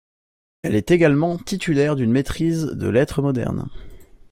Elle est également titulaire d'une maîtrise de lettres modernes.